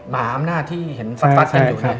มหาอำนาจที่เห็นฟัดกันอยู่เนี่ย